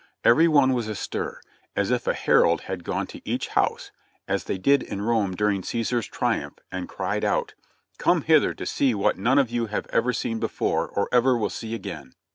Every one was astir — as if a herald had gone to each house, as they did in Rome during Caesar's triumph, and cried out : "Come hither to see what none of you have ever seen before or ever will see again."